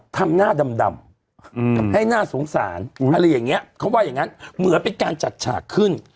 ทำหน้าดำให้น่าสงสารอะไรอย่างเงี้ยเขาว่าอย่างงั้นเหมือนเป็นการจัดฉากขึ้น